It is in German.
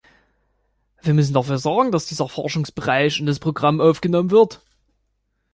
Wir müssen dafür sorgen, dass dieser Forschungsbereich in das Programm aufgenommen wird.